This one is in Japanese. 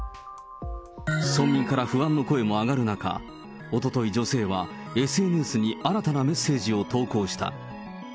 村民から不安の声も上がる中、おととい、女性はＳＮＳに新たなメッセージを投稿した。